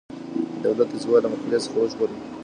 دولت د زوال له مرحلې څخه وژغورئ.